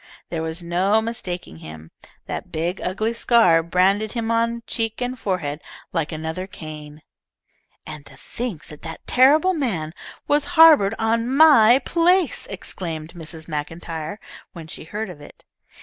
There was no mistaking him. That big, ugly scar branded him on cheek and forehead like another Cain. "And to think that that terrible man was harboured on my place!" exclaimed Mrs. MacIntyre when she heard of it.